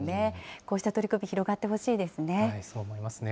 こうした取り組み、広がってほしそう思いますね。